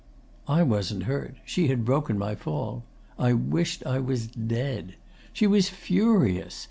'I wasn't hurt. She had broken my fall. I wished I was dead. She was furious.